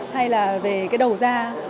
hay là về cái đầu gia